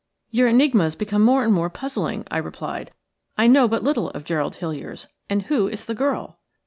"Your enigmas become more and more puzzling," I replied. "I know but little of Gerald Hiliers. And who is the girl?"